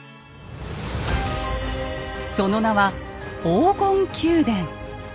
その名は「黄金宮殿」。